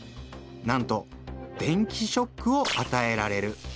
なんと電気ショックをあたえられる。